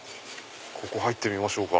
ここ入ってみましょうか。